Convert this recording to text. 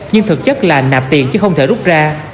nhưng thực chất là nạp tiền chứ không thể rút ra